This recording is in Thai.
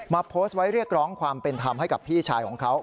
โพสต์ไว้เรียกร้องความเป็นธรรมให้กับพี่ชายของเขา